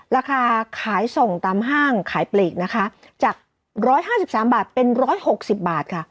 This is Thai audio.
ราคาขายส่งตามห้างขายปลีกนะคะจากร้อยห้าสิบสามบาทเป็นร้อยหกสิบบาทค่ะ